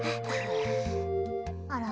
あら？